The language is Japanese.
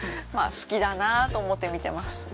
まあ好きだなあと思って見てます。